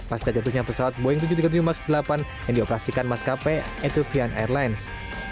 pasca jatuhnya pesawat boeing tujuh ratus tiga puluh tujuh mark delapan yang dioperasikan mas kp etuvian airlines